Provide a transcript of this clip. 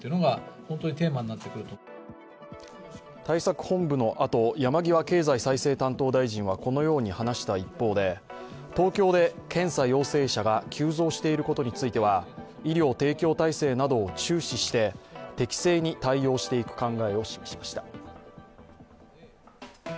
対策本部のあと、山際経済再生担当大臣はこのように話した一方で、東京で検査陽性者が急増していることについては医療提供体制などを注視して適正に対応していく考えを示しました。